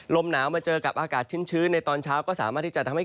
ลมหนาวมาเจอกับอากาศชื้นในตอนเช้าก็สามารถที่จะทำให้